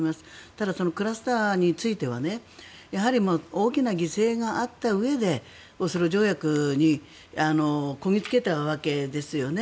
ただ、クラスターについてはやはり大きな犠牲があったうえでオスロ条約にこぎ着けたわけですよね。